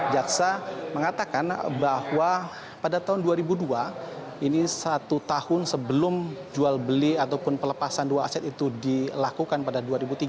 jaksa mengatakan bahwa pada tahun dua ribu dua ini satu tahun sebelum jual beli ataupun pelepasan dua aset itu dilakukan pada dua ribu tiga belas